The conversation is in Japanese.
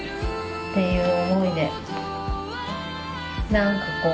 何かこう。